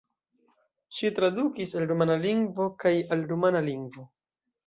Ŝi tradukis el rumana lingvo kaj al rumana lingvo.